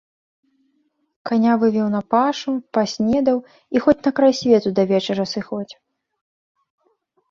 Каня вывеў на пашу, паснедаў і хоць на край свету да вечара сыходзь.